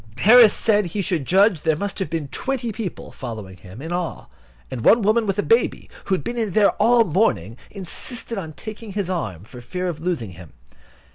Harris said he should judge there must have been twenty people, following him, in all; and one woman with a baby, who had been there all the morning, insisted on taking his arm, for fear of losing him.